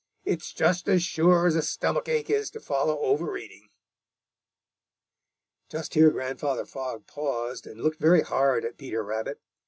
It's just as sure as a stomach ache is to follow overeating." Just here Grandfather Frog paused and looked very hard at Peter Rabbit.